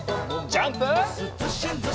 ジャンプ！